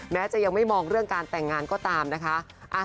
จะยังไม่มองเรื่องการแต่งงานก็ตามนะคะ